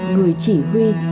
người chỉ huy